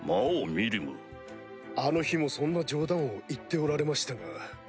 あの日もそんな冗談を言っておられましたが。